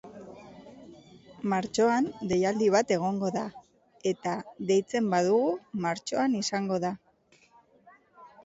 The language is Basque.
Martxoan deialdi bat egongo da, eta deitzen badugu martxoan izango da.